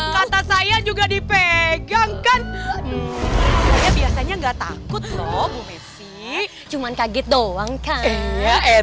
kata saya juga dipegang kan biasanya enggak takut lo cuma kaget doang kan